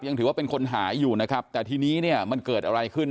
ยังถือว่าเป็นคนหายอยู่นะครับแต่ทีนี้เนี่ยมันเกิดอะไรขึ้น